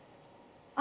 あ。